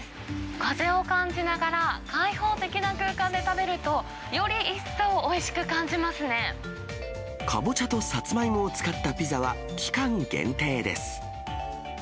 風を感じながら開放的な空間で食べると、カボチャとサツマイモを使ったピザは、期間限定です。